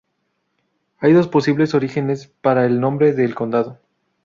Hay dos posibles orígenes para el nombre del condado.